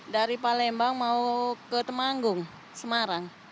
dari palembang mau ke temanggung semarang